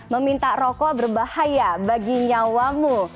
meminta rokok berbahaya bagi nyawamu